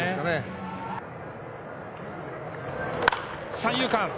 三遊間。